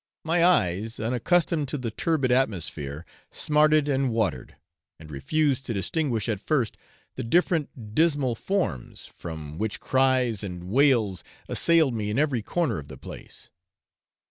My eyes, unaccustomed to the turbid atmosphere, smarted and watered, and refused to distinguish at first the different dismal forms, from which cries and wails assailed me in every corner of the place.